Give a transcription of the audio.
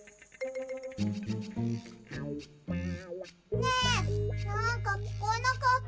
ねえなんかきこえなかった？